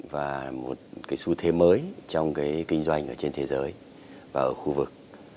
và một cái xu thế mới trong cái kinh doanh ở trên thế giới và ở khu vực